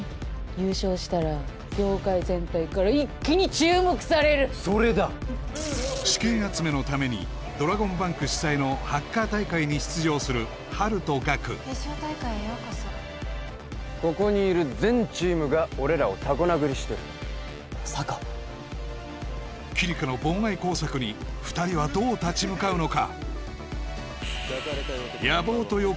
優勝したら業界全体から一気に注目されるそれだ資金集めのためにするハルとガク決勝大会へようこそここにいる全チームが俺らをタコ殴りしてるまさかキリカの妨害工作に２人はどう立ち向かうのか？